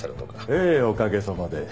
ええおかげさまで。